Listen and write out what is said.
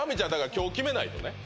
今日決めないとね